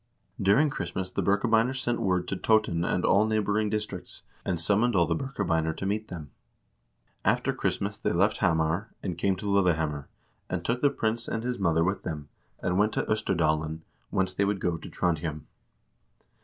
During Christmas the Birkebeiner sent word to Toten and all neighboring districts, and summoned all the Birke beiner to meet them. After Christmas they left Hamar and came to Lillehammer, and took the prince and his mother with them, and went to 0sterdalen, whence they would go to Trondhjem.